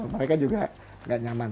mereka juga nggak nyaman